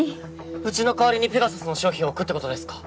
うちの代わりにペガサスの商品を置くってことですか？